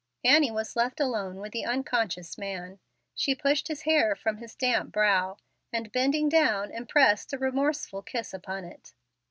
Annie was left alone with the unconscious man. She pushed his hair from his damp brow, and, bending down, impressed a remorseful kiss upon it.